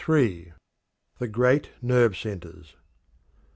The Great Nerve Centers.